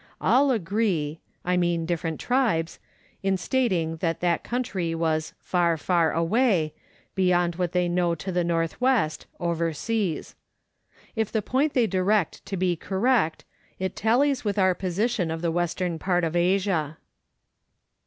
All agree (I mean different tribes) in stating that that country was " far, far away," beyond what they know to the N.W., over seas. If the point they direct to be correct, it tallies with our position of the western part of Asia.